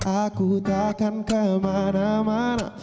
aku takkan kemana mana